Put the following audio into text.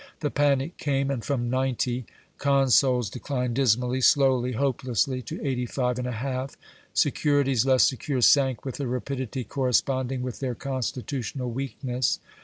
The panic came, and from 90, consols declined dismally, slowly, hopelessly, to 85 1/2; securities less secure sank with a rapidity corresponding with their constitutional weakness.